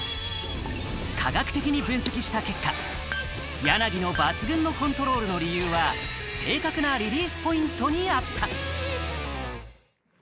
科学的に分析した結果、柳の抜群のコントロールの理由は正確なリリースポイントにあった。